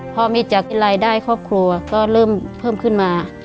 พอมีจากรายได้ครอบครัวก็เริ่มเพิ่มขึ้นมา